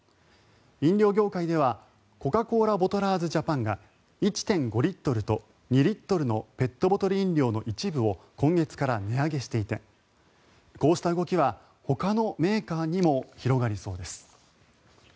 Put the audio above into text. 飲料業界ではコカ・コーラボトラーズジャパンが１．５リットルと２リットルのペットボトル飲料の一部を今月から値上げしていてこうした動きはほかのメーカーにも広がりそうです。